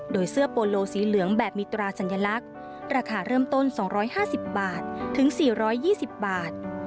โดยเสื้อโปโลสีเหลืองแบบมีตราสัญลักษณ์ราคาเริ่มต้น๒๕๐บาทถึง๔๒๐บาท